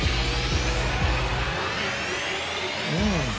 うん。